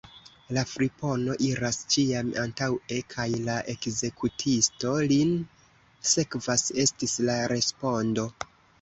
La fripono iras ĉiam antaŭe, kaj la ekzekutisto lin sekvas, estis la respondo.